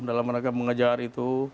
dalam mereka mengejar itu